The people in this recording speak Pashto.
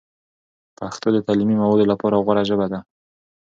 پښتو د تعلیمي موادو لپاره غوره ژبه ده.